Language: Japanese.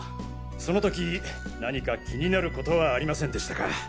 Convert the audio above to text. その時何か気になることはありませんでしたか？